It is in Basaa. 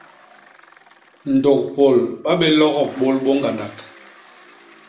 Ndôk Pôl ba bé logop bôlbô ñgandak!